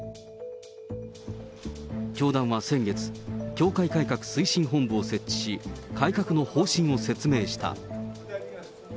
教団は先月、教会改革推進本部を設置し、改革の方針を説明した。